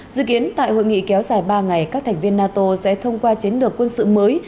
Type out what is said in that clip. dự kiến tại hội nghị kéo dài ba ngày các thành viên nato sẽ thông qua chiến lược quân sự mới